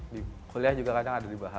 di kuliah juga kadang ada dibahas